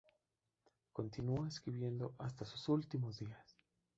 Continuó escribiendo hasta sus últimos días.